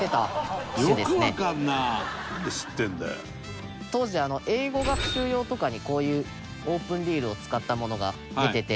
隆貴君：当時、英語学習用とかにこういうオープンリールを使ったものが出てて。